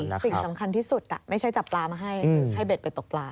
สิ่งสำคัญที่สุดไม่ใช่จับปลามาให้ให้เบ็ดไปตกปลา